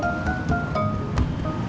kok lapar ngusap kepala sih bang